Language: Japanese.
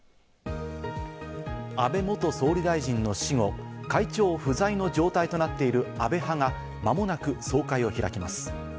安倍元総理大臣の死後、会長不在の状態となっている安倍派がまもなく総会を開きます。